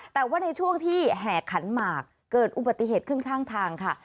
แต่ว่าในช่วงที่แห่ขันหมากเกิดอุบัติเหตุขึ้นข้างทางค่ะ